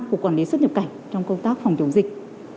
của quản lý xuất nhập cảnh trong công tác phòng chống dịch